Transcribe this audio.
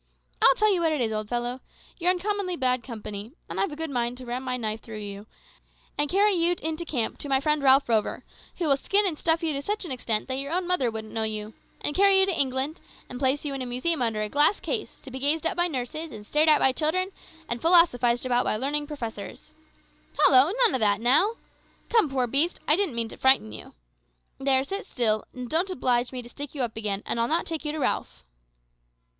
I tell you what it is, old fellow: you're uncommonly bad company, and I've a good mind to ram my knife through you, and carry you into camp to my friend Ralph Rover, who'll skin and stuff you to such an extent that your own mother wouldn't know you, and carry you to England, and place you in a museum under a glass case, to be gazed at by nurses, and stared at by children, and philosophised about by learned professors. Hollo! none o' that now. Come, poor beast; I didn't mean to frighten you. There, sit still, and don't oblige me to stick you up again, and I'll not take you to Ralph."